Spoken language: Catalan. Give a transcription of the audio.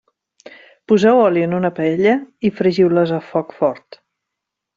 Poseu oli en una paella i fregiu-les a foc fort.